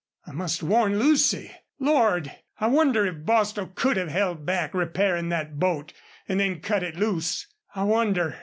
I must warn Lucy.... Lord! I wonder if Bostil could have held back repairin' that boat, an' then cut it loose? I wonder?